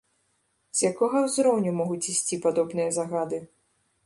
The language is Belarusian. З якога узроўню могуць ісці падобныя загады?